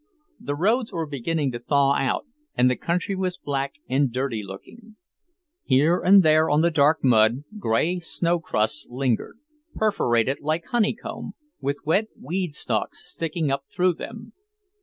The roads were beginning to thaw out, and the country was black and dirty looking. Here and there on the dark mud, grey snow crusts lingered, perforated like honeycomb, with wet weedstalks sticking up through them.